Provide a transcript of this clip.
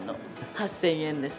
８０００円です。